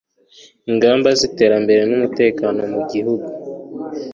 ingamba z'iterambere n'umutekano mu gihugu